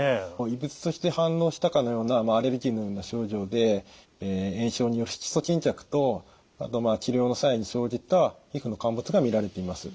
異物として反応したかのようなアレルギーのような症状で炎症による色素沈着とあと治療の際に生じた皮膚の陥没が見られています。